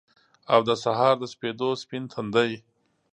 او دسهار دسپیدو ، سپین تندی